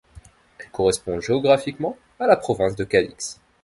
Elle correspond géographiquement à la province de Cadix.